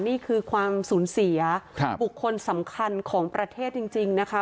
นี่คือความสูญเสียบุคคลสำคัญของประเทศจริงนะคะ